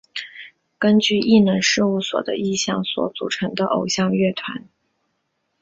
根据艺能事务所的意向所组成的偶像乐团。